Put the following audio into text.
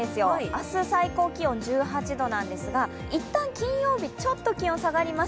明日最高気温１８度なんですが、一旦金曜日、ちょっと気温が下がります。